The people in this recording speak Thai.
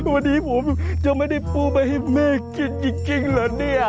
วันนี้ผมจะไม่ได้ปูไปให้แม่กินจริงเหรอเนี่ย